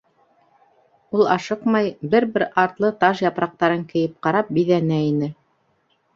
Ул ашыҡмай, бер бер артлы таж япраҡтарын кейеп ҡарап, биҙәнә ине.